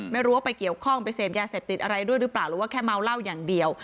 ไม่รู้ว่าไปเกี่ยวข้องไปเสพยาเสพติดอะไรด้วยหรือเปล่าหรือว่าแค่เมาเหล้าอย่างเดียว